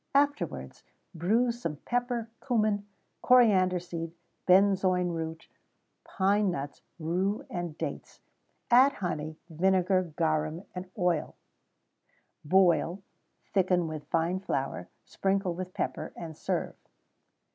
Afterwards bruise some pepper, cummin, coriander seed, benzoin root, pine nuts, rue, and dates; add honey, vinegar, garum, and oil; boil, thicken with fine flour, sprinkle with pepper, and serve.